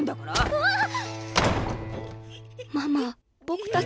うわっ！